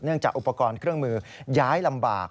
จากอุปกรณ์เครื่องมือย้ายลำบาก